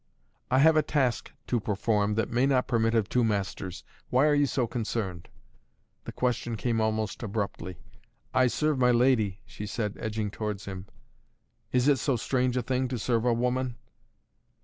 "I have a task to perform that may not permit of two masters! Why are you so concerned?" The question came almost abruptly. "I serve my lady!" she said, edging towards him. "Is it so strange a thing to serve a woman?"